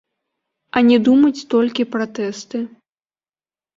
А не думаць толькі пра тэсты.